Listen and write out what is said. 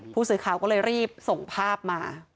ผู้สื่อข่าวก็เลยรีบส่งภาพมา